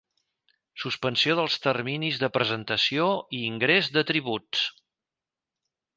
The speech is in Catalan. Suspensió dels terminis de presentació i ingrés de tributs.